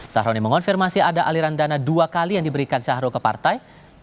saroni mengonfirmasi ada aliran dana dua kali yang diberikan syahro ke partai